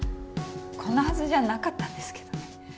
こんなはずじゃなかったんですけど。